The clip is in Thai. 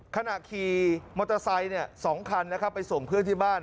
ขณะขี่มอเตอร์ไซค์๒คันนะครับไปส่งเพื่อนที่บ้าน